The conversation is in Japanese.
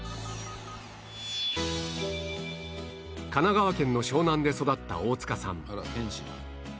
神奈川県の湘南で育った大塚さん